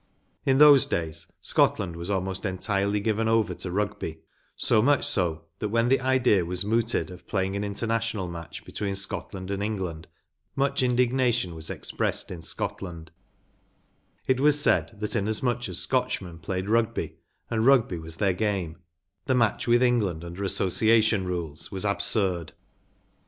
In those days Scotland was almost entirely given over to Rugby; so much so that when the idea was mooted of playing an international match between Scotland and England much indignation was expressed in Scotland; it was said that inasmuch as Scotchmen played Rugby, and Rugby was their game, the match with England under Association rules was absurd.